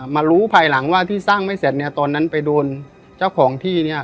มารู้ภายหลังว่าที่สร้างไม่เสร็จเนี่ยตอนนั้นไปโดนเจ้าของที่เนี่ย